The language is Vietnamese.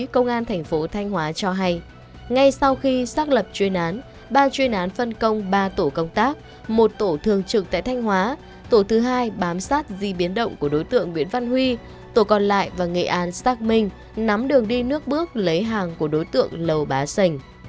công an thành phố thanh hóa cho hay ngay sau khi xác lập chuyên án ban chuyên án phân công ba tổ công tác một tổ thường trực tại thanh hóa tổ thứ hai bám sát di biến động của đối tượng nguyễn văn huy tổ còn lại và nghệ an xác minh nắm đường đi nước bước lấy hàng của đối tượng lầu bá sành